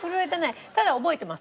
ただ覚えてます。